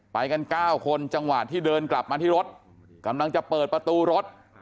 ไปกัน๙คนจังหวะที่เดินกลับมาที่รถกำลังจะเปิดประตูรถ